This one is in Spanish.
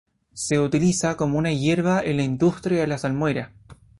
Se utiliza como una hierba en la industria de la salmuera.